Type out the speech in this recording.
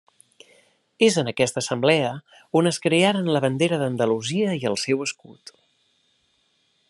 És en aquesta assemblea on es crearen la bandera d'Andalusia i el seu escut.